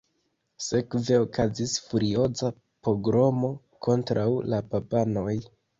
Sekve okazis furioza pogromo kontraŭ la babanoj.